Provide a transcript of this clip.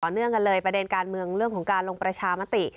เนื่องกันเลยประเด็นการเมืองเรื่องของการลงประชามติ